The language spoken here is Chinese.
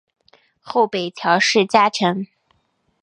后北条氏家臣。